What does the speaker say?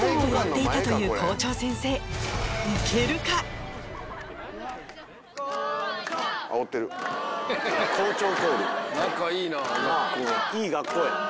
いい学校やな。